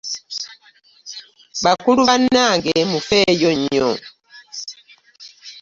Bakulu bannange mufeeyo nnyo.